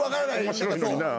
面白いのになぁ。